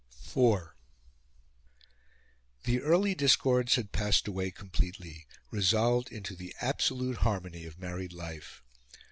IV The early discords had passed away completely resolved into the absolute harmony of married life.